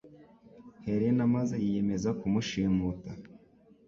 Helena maze yiyemeza kumushimuta